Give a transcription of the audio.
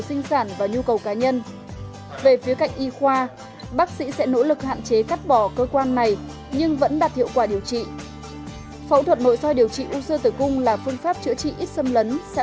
xin kính chào và hẹn gặp lại quý vị vào khung giờ này ngày mai